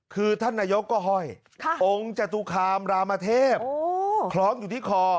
คือท่านนายกก็ห้อยองค์จตุคามรามเทพคล้องอยู่ที่คอ